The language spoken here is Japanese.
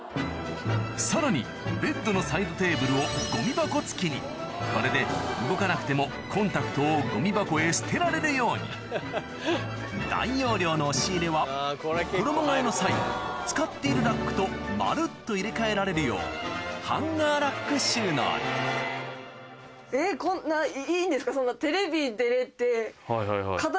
さらにベッドのサイドテーブルをゴミ箱付きにこれで動かなくてもコンタクトをゴミ箱へ捨てられるように大容量の押し入れは衣替えの際使っているラックとまるっと入れ替えられるようハンガーラック収納にえっこんないいんですか？